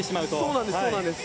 そうなんです。